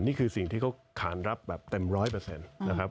นี่คือสิ่งที่เขาขาดรับแบบเต็ม๑๐๐นะครับ